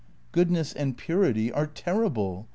"Goodness and purity are terrible.